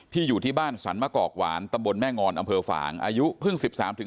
ที่อยู่ที่บ้านศรัลมะกอกหวานตมบลแม่งอนอฝางอายุพึ่ง๑๓๑๗